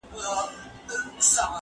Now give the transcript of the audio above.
زه به د هنرونو تمرين کړی وي؟!